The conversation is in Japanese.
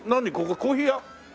ここコーヒー屋？